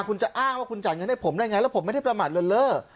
คุณจะอ้างว่าคุณจ่ายเงินให้ผมได้ไงแล้วผมไม่ได้ประมาทเลินเล่อ